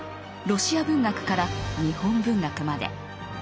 ロシア文学から日本文学まで。